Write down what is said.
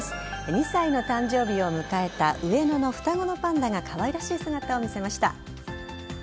２歳の誕生日を迎えた上野の双子のパンダがかわいらしい姿を見せました。